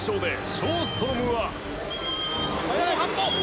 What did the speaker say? ショーストロム